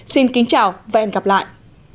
xin kính chào và hẹn gặp lại